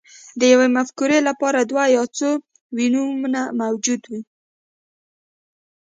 د یوې مفکورې لپاره دوه یا څو ویونه موجود وي